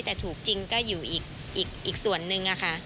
แต่ถูกจริงก็อยู่อีกส่วนนึงค่ะ